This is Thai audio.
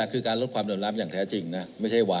กรมการค้ะภายในเปิดเผยว่า